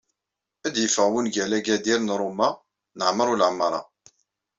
Ad d-yeffeɣ wungal Agadir n Roma n Ɛmeṛ Ulamaṛa.